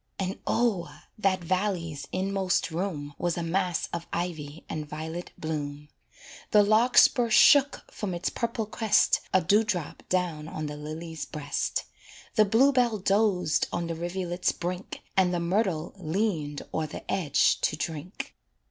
And O! that valley's inmost room Was a mass of ivy and violet bloom; The larkspur shook from its purple crest A dew drop down on the lily's breast; The blue bell dozed on the rivulet's brink, And the myrtle leaned o'er the edge to drink.